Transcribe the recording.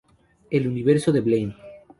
El universo de "Blame!